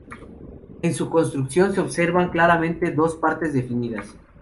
En su construcción se observan claramente dos partes definidas.